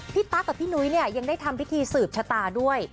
ตั๊กกับพี่นุ้ยเนี่ยยังได้ทำพิธีสืบชะตาด้วย